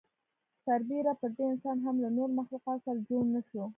سر بېره پر دې انسان هم له نورو مخلوقاتو سره جوړ نهشو.